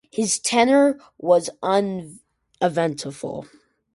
His tenure was uneventful.